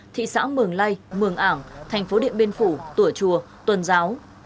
thị xã mường lây mường ảng thành phố điện biên phủ tùa chùa tuần giáo